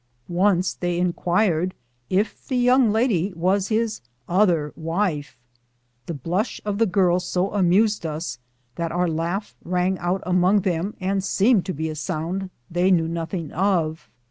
Once they inquired if the young lady was his other wife. The blush of the girl so amused us that our laugh rang out among them, and seemed to be a sound they knew nothing of.